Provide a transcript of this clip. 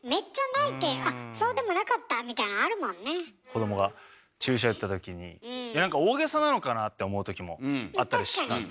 子どもが注射打った時になんか大げさなのかなって思う時もあったりしたんで。